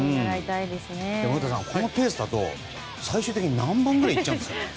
古田さん、このペースだと最終的に何本ぐらいいっちゃうんですかね？